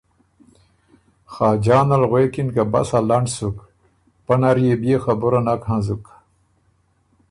خاجان ال غوېکِن که ”بسا لنډ سُک پۀ نر يې بيې خبُره نک هنزُک۔